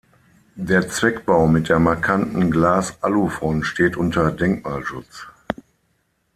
Der Zweckbau mit der markanten Glas-Alufront steht unter Denkmalschutz.